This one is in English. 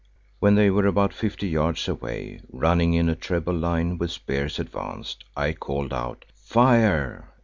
When they were about fifty yards away, running in a treble line with spears advanced, I called out "Fire!"